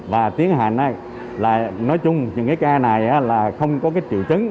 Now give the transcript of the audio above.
và tiến hành là nói chung những cái ca này là không có cái triệu chứng